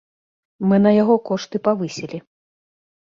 Мы на яго кошты павысілі.